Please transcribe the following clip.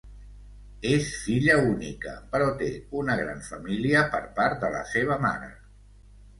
És filla única, però té una gran família per part de la seva mare.